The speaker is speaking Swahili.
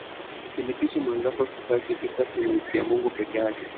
Usilipishe mwenzako kisasi kisasi ni kya Mungu pekeyake